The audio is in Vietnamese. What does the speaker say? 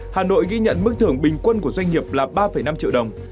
hà nội ghi nhận mức thưởng bình quân của doanh nghiệp là ba năm triệu đồng